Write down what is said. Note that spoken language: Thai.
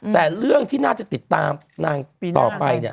แต่เรื่องที่น่าจะติดตามต่อไป